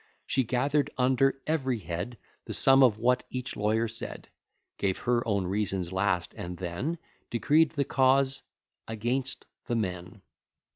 She gather'd under every head The sum of what each lawyer said, Gave her own reasons last, and then Decreed the cause against the men.